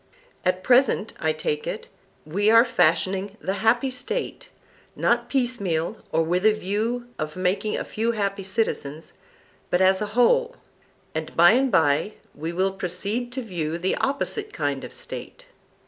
At present, I take it, we are fashioning the happy State, not piecemeal, or with a view of making a few happy citizens, but as a whole; and by and by we will proceed to view the opposite kind of State.